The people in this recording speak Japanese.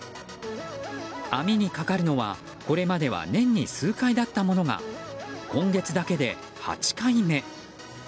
網にかかるのはこれまでは年に数回だったものが今月だけで８回目。